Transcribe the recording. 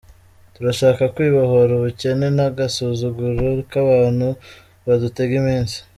Turashaka kwibohora ubukene n’agasuzuguro k’abantu badutega iminsi.